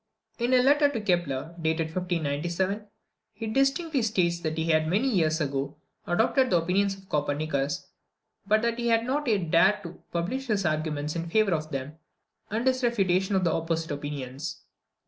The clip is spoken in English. In a letter to Kepler, dated in 1597, he distinctly states that he had, many years ago, adopted the opinions of Copernicus; but that he had not yet dared to publish his arguments in favour of them, and his refutation of the opposite opinions.